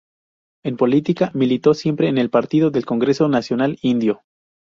En política, militó siempre en el partido del Congreso Nacional Indio.